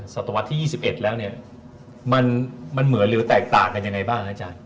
สัตวรรษที่๒๑แล้วมันเหมือนหรือแตกต่างกันยังไงบ้าง